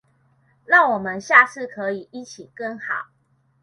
讓我們下次可以一起更好！